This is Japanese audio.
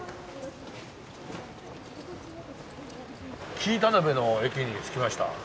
紀伊田辺の駅に着きました。